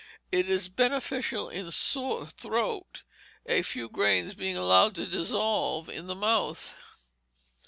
It is beneficial in sore throat, a few grains being allowed to dissolve in the mouth.